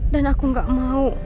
dan aku gak mau